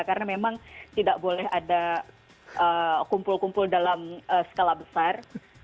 karena memang tidak boleh ada kumpul kumpul dalam skala besar